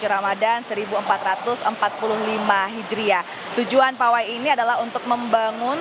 saudara kalau dari pantauan kami tadi pada pukul delapan belas lima belas